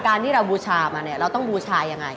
การที่เราบูชามาเนี่ยเราต้องบูชายังไง